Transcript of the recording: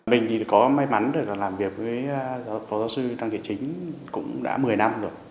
mình thì có may mắn được làm việc với phó giáo sư tăng thị chính cũng đã một mươi năm rồi